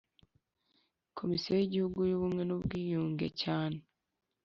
Komisiyo y Igihugu y Ubumwe n Ubwiyunge cyane